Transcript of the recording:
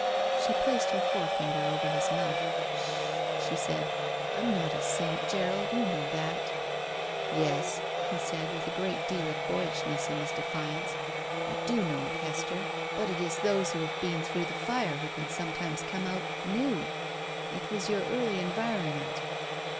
She placed her forefinger over his mouth. "Sh h!" she said. "I'm not a saint, Gerald; you know that." "Yes," he said, with a great deal of boyishness in his defiance, "I do know it, Hester, but it is those who have been through the fire who can some times come out — ^new. It was your early environ ment."